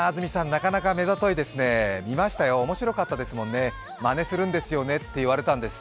なかなかめざといですね、見ましたよ、面白かったですもんね、まねするんですよね？って言われたんです。